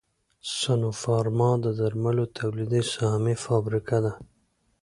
سنوفارما د درملو تولیدي سهامي فابریکه ده